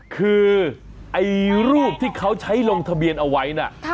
คือไอ้รูปที่เขาใช้ลงทะเบียนเอาไว้นะ